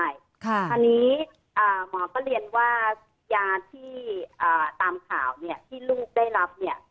ตอนนี้หมอก็เรียนว่ายาที่ตามข่าวที่ลูกได้รับ